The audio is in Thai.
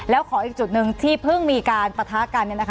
แล้วขออีกจุดหนึ่งที่เพิ่งมีการปะทะกัน